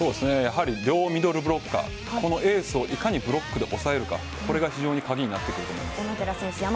両ミドルブロッカーがこのエースをいかにブロックで抑えるかこれが非常に鍵になってくる。